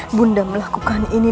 ibu nda melakukan ini